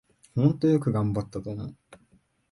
ほんとよく頑張ったと思う